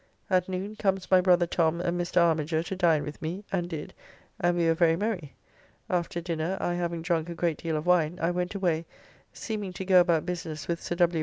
At noon comes my brother Tom and Mr. Armiger to dine with me, and did, and we were very merry. After dinner, I having drunk a great deal of wine, I went away, seeming to go about business with Sir W.